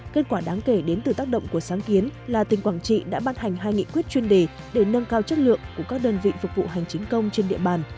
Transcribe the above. kết quả đáng kể đến từ tác động của sáng kiến là tỉnh quảng trị đã ban hành hai nghị quyết chuyên đề để nâng cao chất lượng của các đơn vị phục vụ hành chính công trên địa bàn